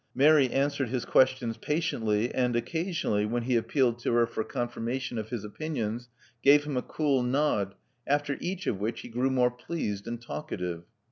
Mary answered his ques tions patiently, and occasionally, when he appealed to her for confirmation of his opinions, gave him a cool nod, after each of which he grew more pleased and talkative.